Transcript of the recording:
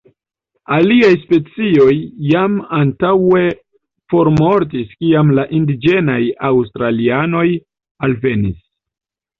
Aliaj specioj jam antaŭe formortis kiam la indiĝenaj aŭstralianoj alvenis.